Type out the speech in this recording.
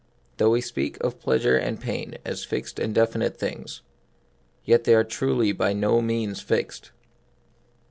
Though we speak of plea sure and pain as fixed and definite things, yet they are truly by no means fixed.